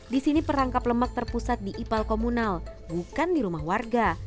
di sini perangkap lemak terpusat di ipal komunal bukan di rumah warga